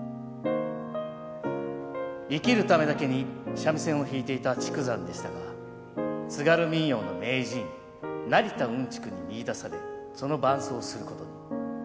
生きるためだけに三味線を弾いていた竹山でしたが津軽民謡の名人成田雲竹に見いだされその伴奏をすることに。